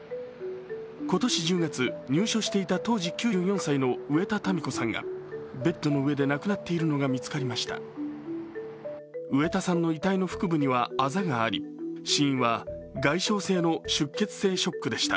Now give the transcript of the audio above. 今年１０月、入所していた当時９４歳の植田タミ子さんがベッドの上で亡くなっているのが見つかりました。